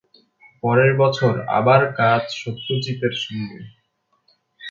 পরের বছর আবার কাজ সত্যজিতের সঙ্গে।